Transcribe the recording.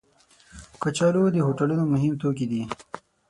کچالو د هوټلونو مهم توکي دي